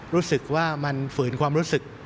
รู้สึกว่ามันฝืนความรู้สึก